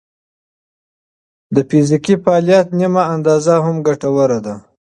د فزیکي فعالیت نیمه اندازه هم ګټوره ده.